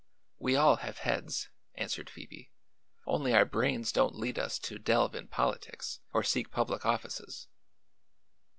"We all have heads," answered Phoebe; "only our brains don't lead us to delve in politics or seek public offices."